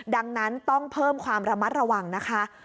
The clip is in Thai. ดังนั้นต้องเพิ่มความระมัดระวังนะคะ